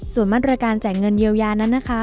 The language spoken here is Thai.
ส่วนมาตรการจ่ายเงินเยียวยานั้นนะคะ